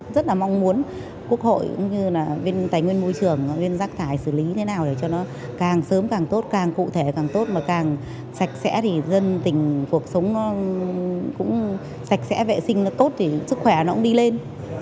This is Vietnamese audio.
rất là mong muốn quốc hội cũng như là bên tài nguyên môi trường bên rác thải xử lý thế nào để cho nó càng sớm càng tốt càng cụ thể càng tốt mà càng sạch sẽ thì dân tình cuộc sống nó cũng sạch sẽ vệ sinh nó tốt thì sức khỏe nó cũng đi lên